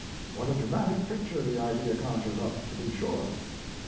What a dramatic picture the idea conjures up, to be sure!